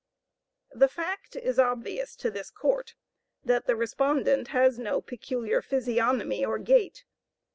The fact is obvious to this court, that the respondent has no peculiar physiognomy or gait.